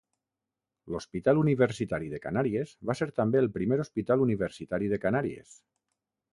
L'Hospital Universitari de Canàries va ser també el primer hospital universitari de Canàries.